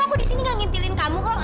aku di sini gak ngintilin kamu kok